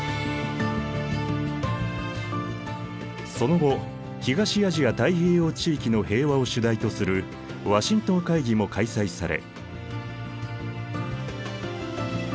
その後東アジア太平洋地域の平和を主題とするワシントン会議も開催され。